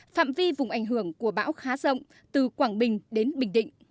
phạm vi vùng ảnh hưởng của bão khá rộng từ quảng bình đến bình định